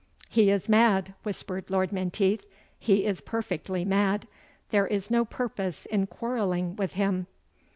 "He is mad," whispered Lord Menteith, "he is perfectly mad; there is no purpose in quarrelling with him."